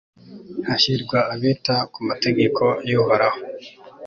hahirwa abita ku mategeko y'uhoraho